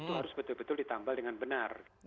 itu harus betul betul ditambal dengan benar